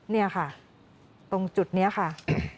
นี่ค่ะตรงจุดนี้ค่ะ